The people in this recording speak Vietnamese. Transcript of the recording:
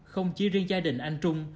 không chỉ riêng gia đình anh trung